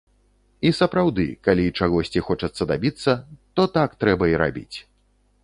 І сапраўды, калі чагосьці хочацца дабіцца, то так трэба і рабіць.